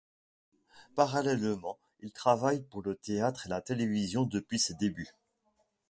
Parallèlement, il travaille pour le théâtre et la télévision depuis ses débuts.